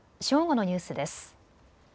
正午のニュースです。